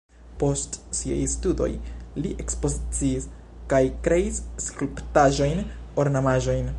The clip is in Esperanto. Post siaj studoj li ekspoziciis kaj kreis skulptaĵojn, ornamaĵojn.